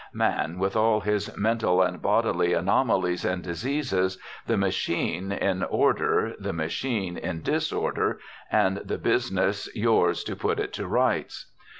Man, with all his mental and bodily anomalies and diseases the machine in order, the machine in disorder, and the business yours to put it to rights.